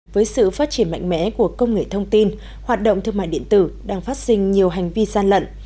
với sự phát triển mạnh mẽ của công nghệ thông tin hoạt động thương mại điện tử đang phát sinh nhiều hành vi gian lận